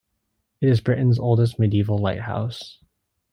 It is Britain's oldest medieval lighthouse.